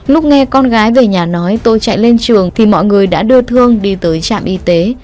lúc nghe con gái về nhà nói tôi chạy lên trường thì mọi người đã đưa thương đi tới trạm y tế